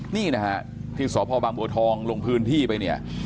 นี่นะฮะที่สพบางบัวทองลงพื้นที่ไปเนี่ย